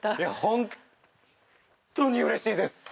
本当に嬉しいです！